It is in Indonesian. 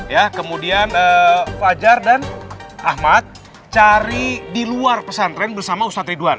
ya kemudian fajar dan ahmad cari di luar pesantren bersama ustadz ridwan